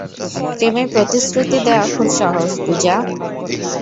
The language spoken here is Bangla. প্রেমের প্রতিশ্রুতি দেওয়া খুব সহজ, পূজা।